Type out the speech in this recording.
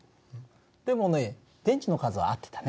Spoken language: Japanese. でもね電池の数は合ってたね。